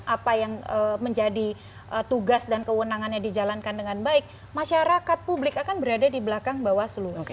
apa yang menjadi tugas dan kewenangannya dijalankan dengan baik masyarakat publik akan berada di belakang bawaslu